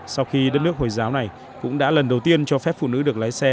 sau khi đất nước hồi giáo này cũng đã lần đầu tiên cho phép phụ nữ được lái xe